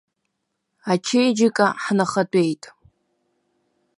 Ачеиџьыка ҳнахатәеит.